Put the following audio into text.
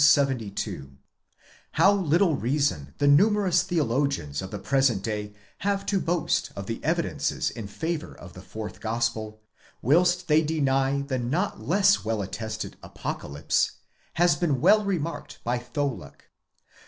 11 How little reason the numerous theologians of the present day have to boast of the evidences in favour of the fourth Gospel, whilst they deny the not less well attested Apocalypse, has been well remarked by Tholuck.